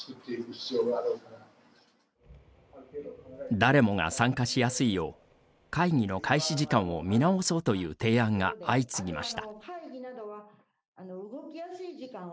誰もが参加しやすいよう会議の開始時間を見直そうという提案が相次ぎました。